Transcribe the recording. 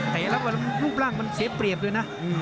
เตะแล้วรูปร่างมันเสียเปรียบด้วยนะ